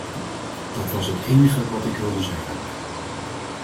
Dat was het enige wat ik wilde zeggen.